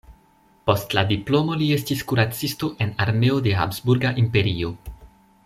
Post la diplomo li estis kuracisto en armeo de Habsburga Imperio.